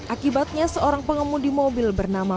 akibatnya seorang pengemudi mobil bernama